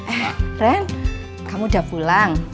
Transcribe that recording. eh ren kamu udah pulang